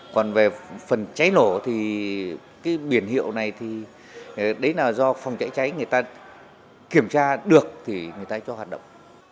còn về phần cháy nổ thì cái biển hiệu này thì đấy là do phòng cháy cháy người ta kiểm tra được thì người ta cho hoạt động